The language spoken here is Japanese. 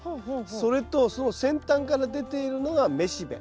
それとその先端から出ているのが雌しべ。